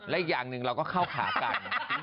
และอีกอย่างหนึ่งเราก็เข้าขากัน